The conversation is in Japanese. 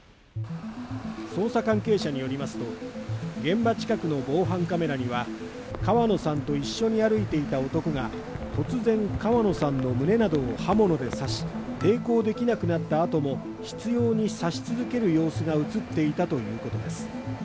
捜査関係者によりますと現場近くの防犯カメラには川野さんと一緒に歩いていた男が突然、川野さんの胸などを刃物で刺し抵抗できなくなった後も、執ように刺し続ける様子が映っていたということです。